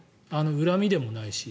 恨みでもないし。